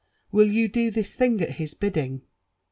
Will you do thife Ihingat his bidding?"